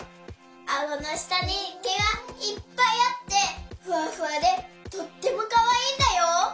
あごのしたにけがいっぱいあってふわふわでとってもかわいいんだよ。